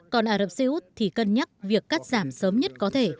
còn ả rập xê út thì cân nhắc việc cắt giảm sớm nhất có thể